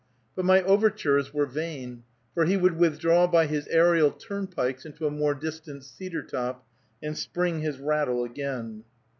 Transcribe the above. But my overtures were vain, for he would withdraw by his aerial turnpikes into a more distant cedar top, and spring his rattle again.